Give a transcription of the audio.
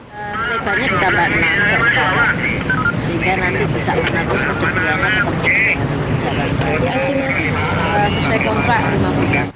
pelebaran jalan ini akan selesai lima bulan mendatang